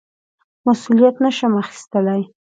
مسوولیت نه شم اخیستلای.